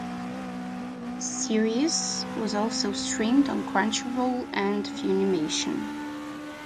The series was also streamed on Crunchyroll and Funimation.